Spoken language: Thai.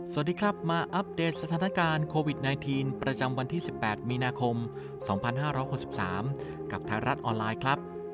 สวัสดีครับมาอัปเดตสถานการณ์โควิด๑๙ประจำวันที่๑๘มีนาคม๒๕๖๓กับไทยรัฐออนไลน์ครับ